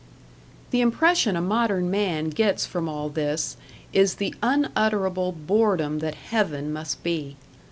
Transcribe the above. The impression a modern man gets from all this is the unutterable boredom that Heaven must be.